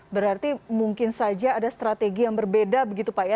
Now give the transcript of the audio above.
berarti mungkin saja ada strategi yang berbeda begitu pak ya